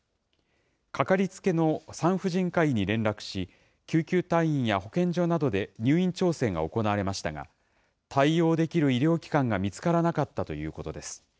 掛かりつけの産婦人科医に連絡し、救急隊員や保健所などで入院調整が行われましたが、対応できる医療機関が見つからなかったということです。